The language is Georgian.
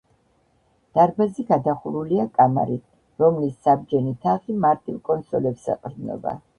დარბაზი გადახურულია კამარით, რომლის საბჯენი თაღი მარტივ კონსოლებს ეყრდნობა.